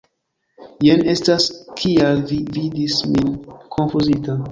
Jen estas kial vi vidis min konfuzita.